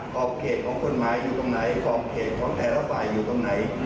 ข้อมเขตของคนไม้อยู่ตรงไหนข้อมเขตของแพร่ละฝ่ายอยู่ตรงไหน